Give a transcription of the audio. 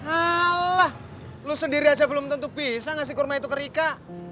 alah lu sendiri aja belum tentu bisa ngasih kurma itu ke rika